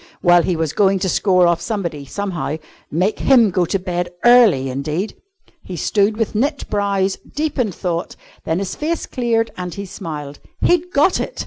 Well, he was going to score off somebody, somehow. Make him go to bed early indeed! He stood with knit brows, deep in thought, then his face cleared and he smiled. He'd got it!